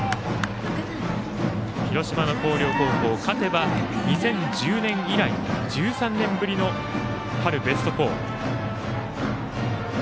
広島の広陵高校勝てば２０１０年以来１３年ぶりの春ベスト４。